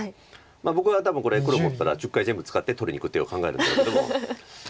僕は多分これ黒持ってたら１０回全部使って取りにいく手を考えるんだけども。